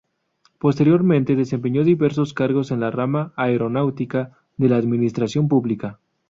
Posteriormente, desempeñó diversos cargos en la rama aeronáutica de la administración pública.